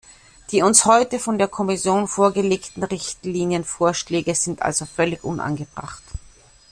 Die uns heute von der Kommission vorgelegten Richtlinienvorschläge sind also völlig unangebracht.